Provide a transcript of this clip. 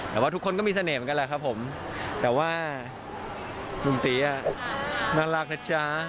แต่ว่าทุกคนก็มีเสน่ห์เหมือนกันแหละครับผมแต่ว่าหนุ่มตีน่ารักนะจ๊ะ